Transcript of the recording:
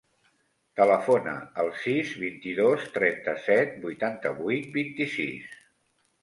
Telefona al sis, vint-i-dos, trenta-set, vuitanta-vuit, vint-i-sis.